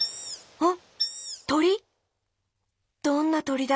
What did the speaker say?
あっ。